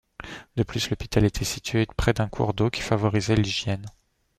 De plus, l'hôpital était situé près d'un cours d'eau qui favorisait l'hygiène.